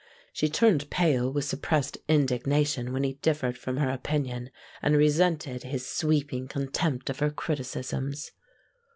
She turned pale with suppressed indignation when he differed from her opinion, and resented his sweeping contempt of her criticisms.